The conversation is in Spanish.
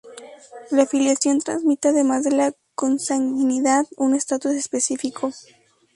La filiación transmite además de la consanguinidad, un estatus específico.